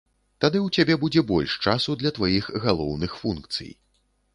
Тады ў цябе будзе больш часу для тваіх галоўных функцый.